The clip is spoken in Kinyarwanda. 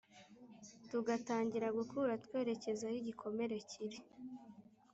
Dugatangira gukura twerekeza aho igikomere kiri.